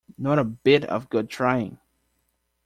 Not a bit of good trying.